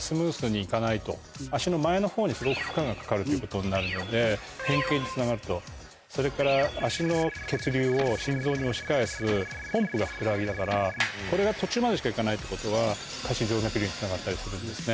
足の前の方にすごく負荷がかかるということになるので変形につながるとそれから足の血流を心臓に押し返すポンプがふくらはぎだからこれが途中までしかいかないってことは。につながったりするんですね。